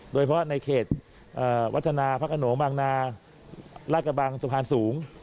โดยเพราะในเขตวัฒนาพระกระโหนงบางนารากบังสุภาณสูง